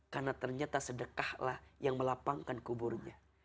karena ternyata sedekahlah yang melapangkan kuburnya